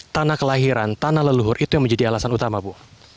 tanah kelahiran tanah leluhur itu yang menjadi alasan utama bu